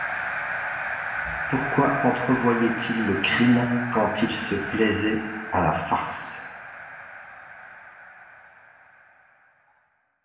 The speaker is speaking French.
Pourquoi entrevoyait-il le crime, quand ils se plaisaient à la farce ?